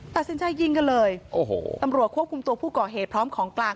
ตัดสินใจยิงกันเลยโอ้โหตำรวจควบคุมตัวผู้ก่อเหตุพร้อมของกลาง